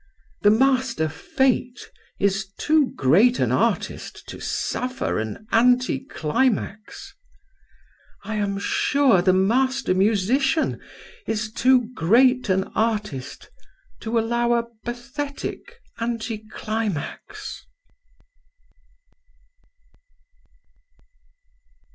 The Master Fate is too great an artist to suffer an anti climax. I am sure the Master Musician is too great an artist to allow a bathetic anti climax."